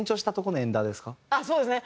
そうですね。